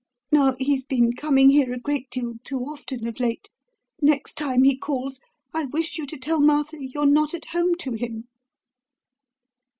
Now, he's been coming here a great deal too often of late. Next time he calls, I wish you to tell Martha you're not at home to him.'"